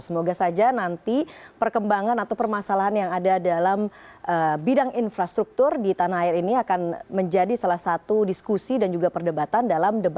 semoga saja nanti perkembangan atau permasalahan yang ada dalam bidang infrastruktur di tanah air ini akan menjadi salah satu diskusi dan juga perdebatan dalam debat